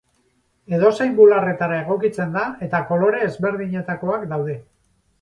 Edozein bularretara egokitzen da eta kolore ezberdinetakoak daude.